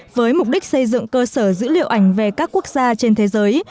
với mục đích xây dựng cơ sở dữ liệu ảnh về các quốc gia trên thế giới